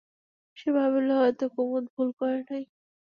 সে ভাবিল, হয়তো কুমুদ ভুল করে নাই।